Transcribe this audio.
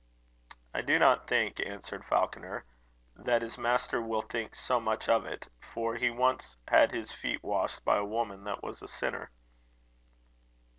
"I do not think," answered Falconer, "that his master will think so much of it; for he once had his feet washed by a woman that was a sinner."